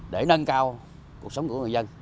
để nâng cao cuộc sống của người dân